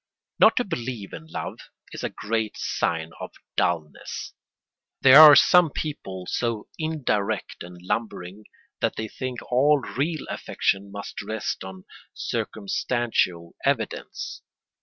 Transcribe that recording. Not to believe in love is a great sign of dulness. There are some people so indirect and lumbering that they think all real affection must rest on circumstantial evidence.